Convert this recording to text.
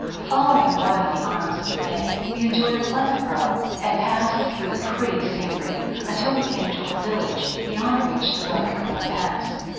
Following one of the arms of the bay, we enjoyed a pleasant row, and passed through pretty scenery, until we came to a village, beyond which the boat could not pass.